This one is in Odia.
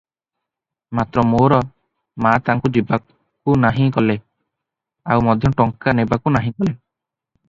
ମାତ୍ର ମୋର ମା ତାଙ୍କୁ ଯିବାକୁ ନାହିଁ କଲେ ଆଉ ମଧ୍ୟ ଟଙ୍କା ନେବାକୁ ନାହିଁ କଲେ ।